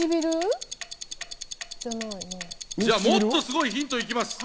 もっとすごいヒントいきます。